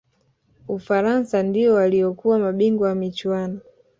ufaransa ndiyo waliyokuwa mabingwa wa michuano